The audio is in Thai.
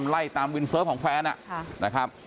ไล่ตามวินเซิร์ฟของแฟนนะครับ